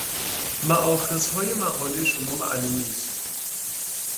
مأخذهای مقالهٔ شما معلوم نیست.